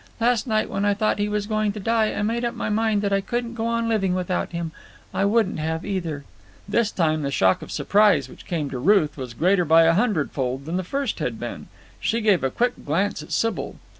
Last night, when I thought he was going to die, I made up my mind that I couldn't go on living without him. I wouldn't have, either." This time the shock of surprise which came to Ruth was greater by a hundred fold than the first had been. She gave a quick glance at Sybil.